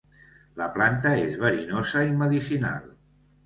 La planta és verinosa i medicinal.